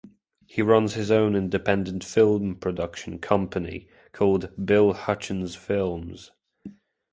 He runs his own independent film production company called Bill Hutchens Films.